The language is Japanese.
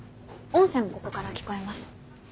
音声もここから聞こえます。